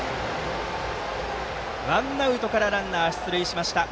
ワンアウトからランナー出塁しました。